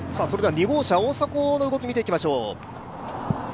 ２号車、大迫の動きを見ていきましょう。